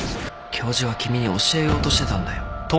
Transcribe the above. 教授は君に教えようとしてたんだよ。